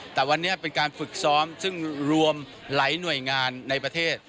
แต่วันนี้เป็นการฝึกซ้อมซึ่งรวมหลายหน่วยงานในประเทศ